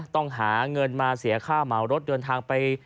ต้องหาเงินมาเสียค่าเหมารถเดินทางไป